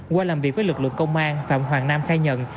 qua làm việc với lực lượng công an phạm hoàng nam khai nhận